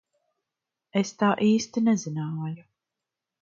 Es tā īsti nezināju.